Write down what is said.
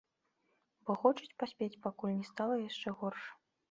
Бо хочуць паспець, пакуль не стала яшчэ горш.